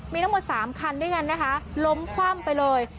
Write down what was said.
มีทั้งหมด๓คันด้วยกันนะคะล้มคว่ำไปเลย